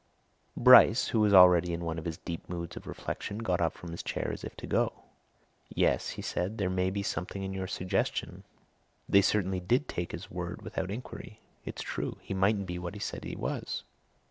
Bryce, who was already in one of his deep moods of reflection, got up from his chair as if to go. "Yes," he said. "There maybe something in your suggestion. They certainly did take his word without inquiry. It's true he mightn't be what he said he was."